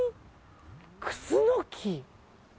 クスノキ？